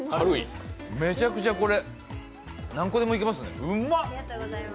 めちゃくちゃこれ、何個でもいけますねうっま！